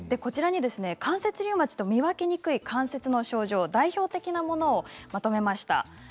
関節リウマチと見分けにくい関節の症状の代表的なものをまとめました。